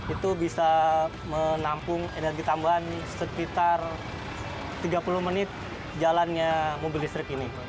itu bisa menampung energi tambahan sekitar tiga puluh menit jalannya mobil listrik ini